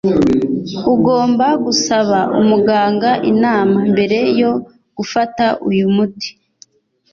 Ugomba gusaba umuganga inama mbere yo gufata uyu muti.